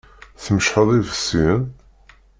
Tmeččḥeḍ iḍebsiyen?